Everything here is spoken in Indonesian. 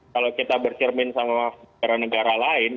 kalau kita bercermin sama negara negara lain